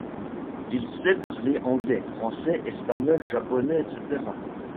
Il sait parler anglais, français, espagnol, japonais, etc.